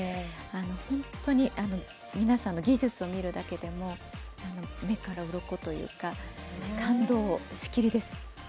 本当に皆さんの技術を見るだけでも目からうろこというか感動しきりです。